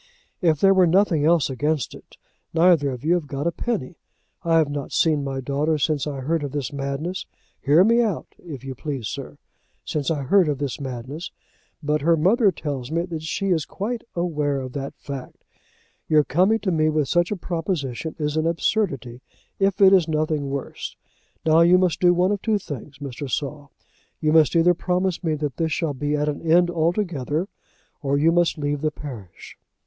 If there were nothing else against it, neither of you have got a penny. I have not seen my daughter since I heard of this madness, hear me out if you please, sir, since I heard of this madness, but her mother tells me that she is quite aware of that fact. Your coming to me with such a proposition is an absurdity if it is nothing worse. Now you must do one of two things, Mr. Saul. You must either promise me that this shall be at an end altogether, or you must leave the parish."